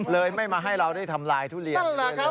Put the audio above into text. ไม่มาให้เราได้ทำลายทุเรียน